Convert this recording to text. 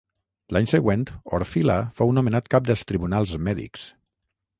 L'any següent Orfila fou nomenat cap dels tribunals mèdics.